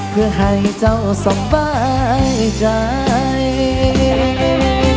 เพื่อให้เจ้าสบายใจ